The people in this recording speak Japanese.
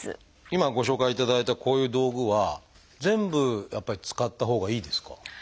今ご紹介いただいたこういう道具は全部やっぱり使ったほうがいいですか？